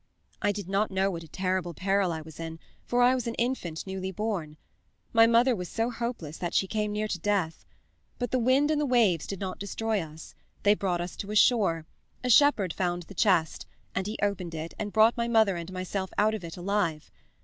"I did not know what a terrible peril I was in, for I was an infant newly born. My mother was so hopeless that she came near to death. But the wind and the waves did not destroy us: they brought us to a shore; a shepherd found the chest, and he opened it and brought my mother and myself out of it alive.